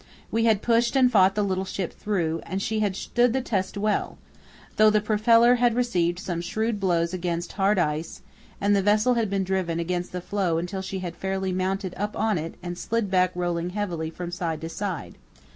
We had pushed and fought the little ship through, and she had stood the test well, though the propeller had received some shrewd blows against hard ice and the vessel had been driven against the floe until she had fairly mounted up on it and slid back rolling heavily from side to side.